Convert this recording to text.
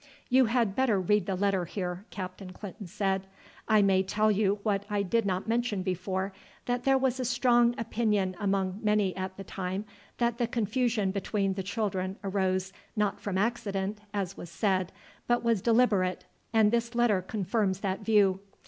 "You had better read the letter here," Captain Clinton said. "I may tell you what I did not mention before, that there was a strong opinion among many at the time, that the confusion between the children arose, not from accident, as was said, but was deliberate, and this letter confirms that view.